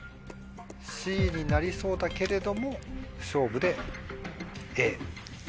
Ｃになりそうだけれども勝負でＡ？